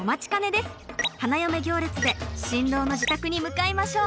花嫁行列で新郎の自宅に向かいましょう！